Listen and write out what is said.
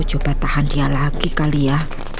coba tahan dia lagi kali ya